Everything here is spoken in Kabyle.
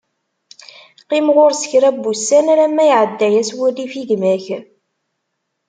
Qqim ɣur-s kra n wussan, alamma iɛedda-as wurrif i gma-k.